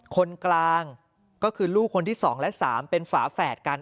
คนกลางก็คือลูกคนที่๒และ๓เป็นฝาแฝดกัน